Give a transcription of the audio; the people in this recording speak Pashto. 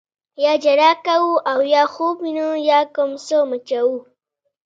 یا ژړا کوو او یا خوب وینو یا کوم څه مچوو.